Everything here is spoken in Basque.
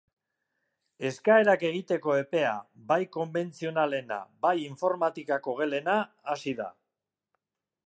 Eskaerak egiteko epea, bai konbentzionalena , bai informatikako gelena, hasi da.